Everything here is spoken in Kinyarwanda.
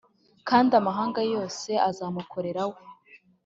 Kandi amahanga yose azamukorera we